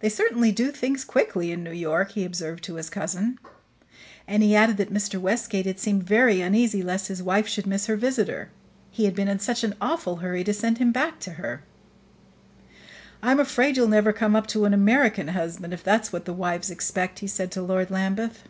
"They certainly do things quickly in New York," he observed to his cousin; and he added that Mr. Westgate had seemed very uneasy lest his wife should miss her visitor he had been in such an awful hurry to send him back to her. "I'm afraid you'll never come up to an American husband, if that's what the wives expect," he said to Lord Lambeth.